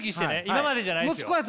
今までじゃないですよ。